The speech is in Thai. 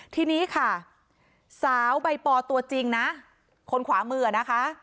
ทีนี้ค่ะสาวใบปอตัวจริงนะคนขวามือนะคะ